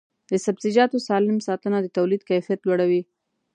د سبزیجاتو سالم ساتنه د تولید کیفیت لوړوي.